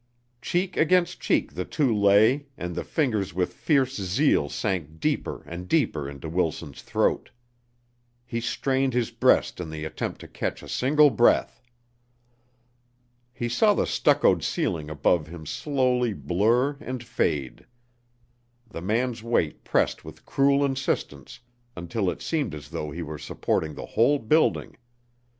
Cheek against cheek the two lay and the fingers with fierce zeal sank deeper and deeper into Wilson's throat. He strained his breast in the attempt to catch a single breath. He saw the stuccoed ceiling above him slowly blur and fade. The man's weight pressed with cruel insistence until it seemed as though he were supporting the whole building.